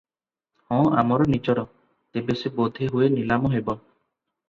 ହଁ ଆମର ନିଜର- ତେବେ ସେ ବୋଧେ ହୁଏ ନିଲାମ ହେବ ।